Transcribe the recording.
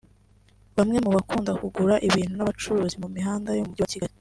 Bamwe mu bakunda kugura ibintu n’abacururiza mu mihanda yo mu Mujyi wa Kigali